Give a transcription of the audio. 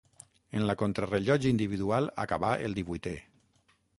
En la contrarellotge individual acabà el divuitè.